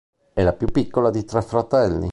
È la più piccola di tre fratelli.